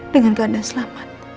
dengan keadaan selamat